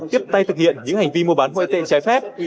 tiếp tay thực hiện những hành vi mua bán ngoại tệ trái phép